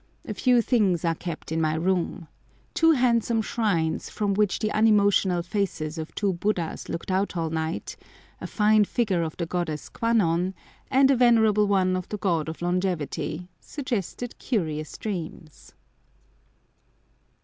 A few things are kept in my room. Two handsome shrines from which the unemotional faces of two Buddhas looked out all night, a fine figure of the goddess Kwan non, and a venerable one of the god of longevity, suggested curious dreams.